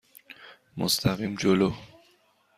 مستقیم جلو.